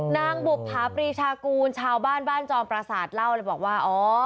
นางบุภาปรีชากูลชาวบ้านบ้านจอมประสาทเล่าเลยบอกว่าอ๋อ